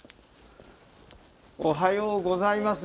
おはようございます。